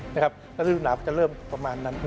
และรูหนาวจะเริ่มประมาณนั้น